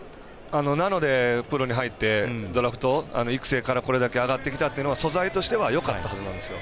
なので、プロに入ってドラフト、育成からこれだけ上がってきたというのは素材としてはよかったはずなんですよ。